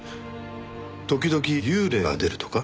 時々幽霊が出るとか？